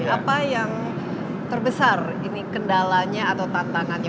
apa yang terbesar ini kendalanya atau tantangannya